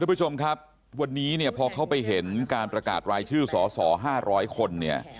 ทุกผู้ชมครับวันนี้พอเข้าไปเห็นการประกาศรายชื่อสส๕๐๐คน